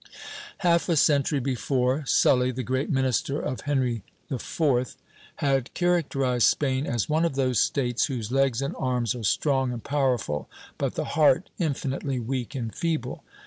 Half a century before, Sully, the great minister of Henry IV., had characterized Spain "as one of those States whose legs and arms are strong and powerful, but the heart infinitely weak and feeble."